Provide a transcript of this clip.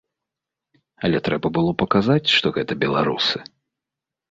Але трэба было паказаць, што гэта беларусы.